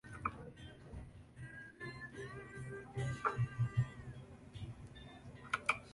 Trato de no ponerme nerviosa.